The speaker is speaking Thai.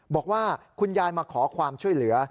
บอกว่าคุณยายมาขอความช่วยเหลือ